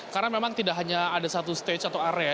karena memang tidak hanya ada satu stage atau area